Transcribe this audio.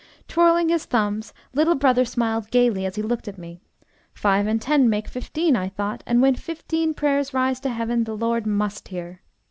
Twirling his thumbs, little brother smiled gayly as he looked at me. "Five and ten make fifteen, I thought, and when fifteen prayers rise to heaven, the Lord must hear.